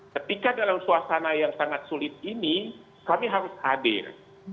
ketika dalam suasana yang sangat sulit ini kami harus hadir